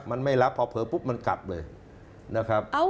มันไม่รับพอเผลอปุ๊บมันกลับเลยนะครับ